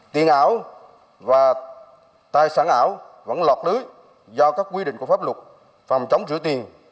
tiền ảo và tài sản ảo vẫn lọt lưới do các quy định của pháp luật phòng chống rửa tiền